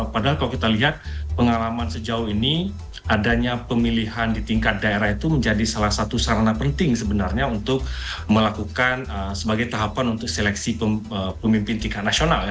padahal kalau kita lihat pengalaman sejauh ini adanya pemilihan di tingkat daerah itu menjadi salah satu sarana penting sebenarnya untuk melakukan sebagai tahapan untuk seleksi pemimpin tingkat nasional